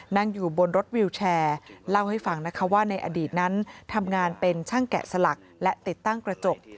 นั่งอยู่บนรถวิวแชร์เล่าให้ฟังนะคะว่าในอดีตนั้นทำงานเป็นช่างแกะสลักและติดตั้งกระจก